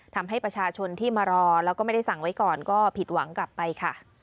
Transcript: ทำให้ประชาชนที่มารอแล้วก็ไม่ได้สั่งไว้ก่อนก็ผิดหวังกลับไปค่ะ